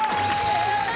やった！